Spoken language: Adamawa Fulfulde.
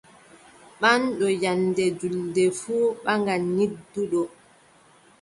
Ɓaŋɗo nyannde juulde fuu ɓaŋan nyidduɗo.